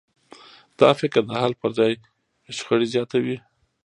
دا فکر د حل پر ځای شخړې زیاتوي.